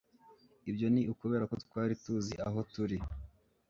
Ibyo ni ukubera ko twari tuzi aho turi